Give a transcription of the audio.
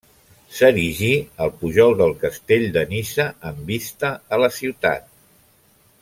S'erigí al pujol del castell de Niça, amb vista a la ciutat.